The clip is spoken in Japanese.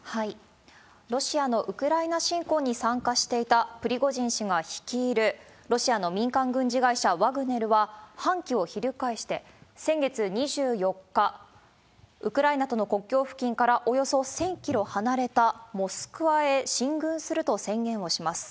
ロシアのウクライナ侵攻に参加していたプリゴジン氏が率いるロシアの民間軍事会社、ワグネルは、反旗を翻して、先月２４日、ウクライナとの国境付近からおよそ１０００キロ離れたモスクワへ進軍すると宣言をします。